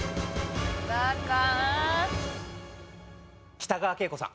北川景子さん